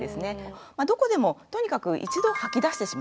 まあどこでもとにかく一度吐き出してしまう。